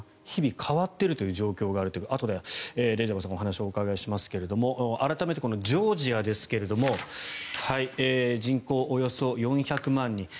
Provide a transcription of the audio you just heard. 日々変わっているという状況があるということであとでレジャバさんのお話をお伺いしますが改めて、このジョージアですが人口およそ４００万人。